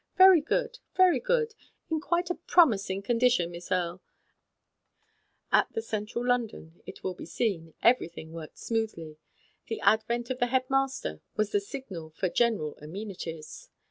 Very good, very good. In quite a promising condition, Mr. Jackson." At the Central London, it will be seen, everything worked smoothly. The advent of the head master was the signal for general amenities.